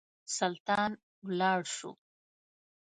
سلطان ولاړ شو.